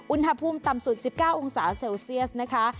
อุณหภูมิต่ำสุด๑๙องศาเซลเซียสนะคะ